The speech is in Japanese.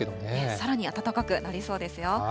さらに暖かくなりそうですよ。